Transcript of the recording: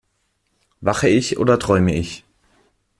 Wache ich oder träume ich?